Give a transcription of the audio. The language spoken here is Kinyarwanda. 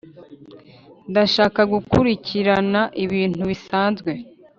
ndashaka gukurikirana ibintu bisanzwe